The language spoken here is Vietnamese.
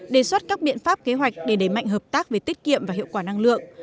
đề xuất các biện pháp kế hoạch để đẩy mạnh hợp tác về tiết kiệm và hiệu quả năng lượng